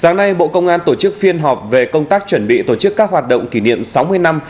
sáng nay bộ công an tổ chức phiên họp về công tác chuẩn bị tổ chức các hoạt động kỷ niệm sáu mươi năm